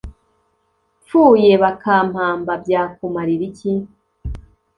mpfuye bakampamba byakumarira iki